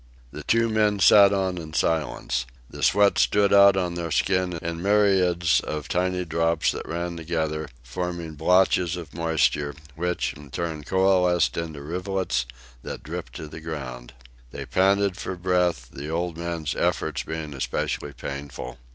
The two men sat on in silence. The sweat stood out on their skin in myriads of tiny drops that ran together, forming blotches of moisture, which, in turn, coalesced into rivulets that dripped to the ground. They panted for breath, the old man's efforts being especially painful.